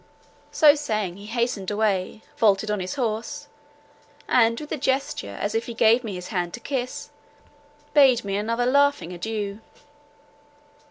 So saying, he hastened away, vaulted on his horse, and with a gesture as if he gave me his hand to kiss, bade me another laughing adieu.